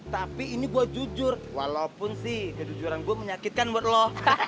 tapi ini gue jujur walaupun sih kejujuran gue menyakitkan buat lo